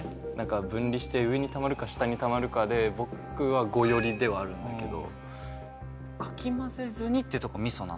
分離して上にたまるか下にたまるかで僕は５寄りではあるんだけどかき混ぜずにってとこがミソなの？